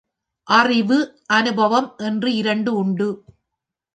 அறிவு, அநுபவம் என்று இரண்டு உண்டு.